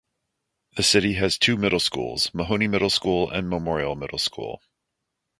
The city has two middle schools, Mahoney Middle School and Memorial Middle School.